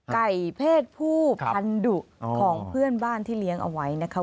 เพศผู้พันดุของเพื่อนบ้านที่เลี้ยงเอาไว้นะคะ